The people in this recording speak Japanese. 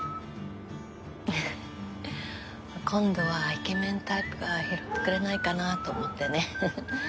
今度はイケメンタイプが拾ってくれないかなと思ってね。